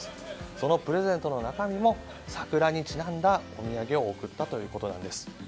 そのプレゼントの中身も桜にちなんだお土産を贈ったということなんです。